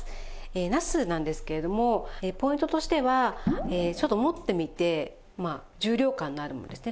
なすなんですけれどもポイントとしてはちょっと持ってみてまあ重量感のあるものですね。